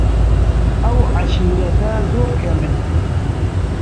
ئەو عەشیرەتە زۆر کەمن